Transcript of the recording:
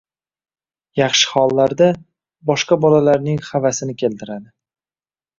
yaxshi hollarda – boshqa bolalarning havasini keltiradi